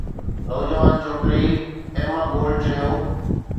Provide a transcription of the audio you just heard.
نوجوان ڇوڪري Emma Gold چيو